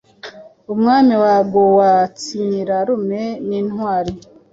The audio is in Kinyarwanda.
Umwami wa Geatsnyirarume nintwari